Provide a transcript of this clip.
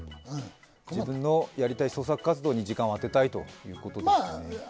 自分のやりたい創作活動に時間を充てたいということですね。